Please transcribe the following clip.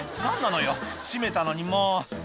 何なのよ閉めたのにもう」